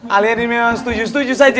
alian ini memang setuju setuju saja